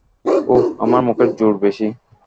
ওহ, আমার মুখের জোর বেশি?